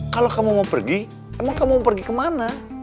kalau kamu mau pergi emang kamu mau pergi ke mana